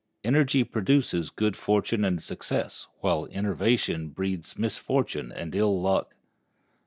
Energy produces good fortune and success, while enervation breeds misfortune and ill luck.